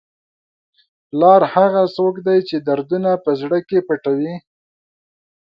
پلار هغه څوک دی چې دردونه په زړه کې پټوي.